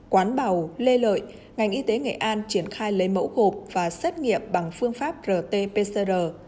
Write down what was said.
quán bào lê lợi ngành y tế nghệ an triển khai lấy mẫu gộp và xét nghiệm bằng phương pháp rt pcr